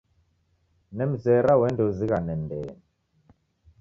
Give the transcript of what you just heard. Nemreza uende uzighane ndee.